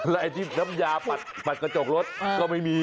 อะไรที่น้ำยาปัดกระจกรถก็ไม่มี